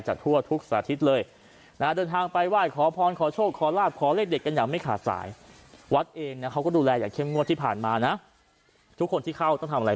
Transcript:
หวัดอุณหภูมิก่อนมีไข้อากาศมาให้เข้า